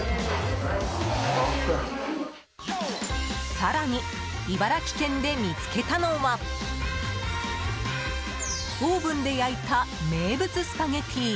更に、茨城県で見つけたのはオーブンで焼いた名物スパゲティ。